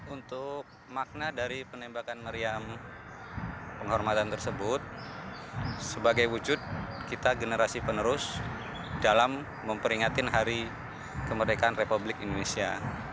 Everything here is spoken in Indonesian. untuk makna dari penembakan meriam penghormatan tersebut sebagai wujud kita generasi penerus dalam memperingati hari kemerdekaan republik indonesia